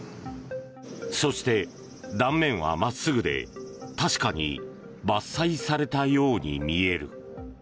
そして、断面は真っすぐで確かに伐採されたように見える。